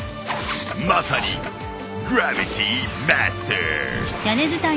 まさにグラビティマスター！